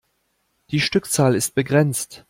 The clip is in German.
Die Stückzahl ist begrenzt.